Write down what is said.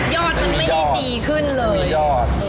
อดมันไม่ได้ดีขึ้นเลยยอด